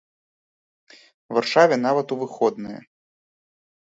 Варшаве нават у выходныя!